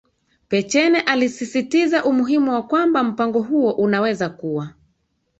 Pechenè alisisitiza umuhimu wa kwamba mpango huo unaweza kuwa